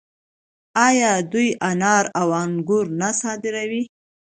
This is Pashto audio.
آیا دوی انار او انګور نه صادروي؟